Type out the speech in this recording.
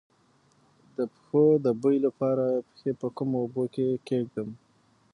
د پښو د بوی لپاره پښې په کومو اوبو کې کیږدم؟